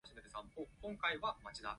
我踩到你條尾呀？